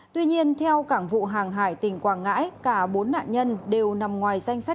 tuy nhiên theo cảng vụ hàng hải tỉnh quảng ngãi cả bốn nạn nhân đều nằm ngoài danh sách